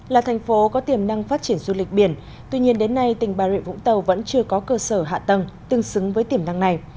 là thành phố có tiềm năng phát triển du lịch biển tuy nhiên đến nay tỉnh bà rịa vũng tàu vẫn chưa có cơ sở hạ tầng tương xứng với tiềm năng này